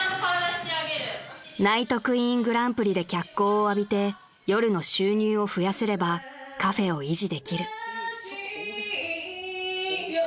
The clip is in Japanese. ［ＮＩＧＨＴＱＵＥＥＮグランプリで脚光を浴びて夜の収入を増やせればカフェを維持できる］